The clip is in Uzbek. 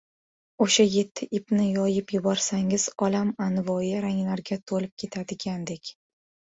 O‘sha yetti ipni yoyib yuborsangiz olam anvoyi ranglarga to‘lib ketadigandek.